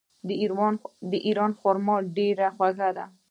د ایران خرما ډیره خوږه ده.